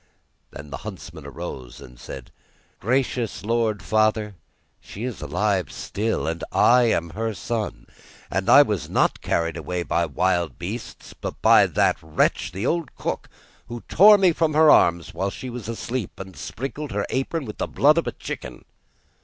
Then the huntsman arose and said: 'Gracious lord father she is alive still, and I am her son, and I was not carried away by wild beasts, but by that wretch the old cook, who tore me from her arms when she was asleep, and sprinkled her apron with the blood of a chicken.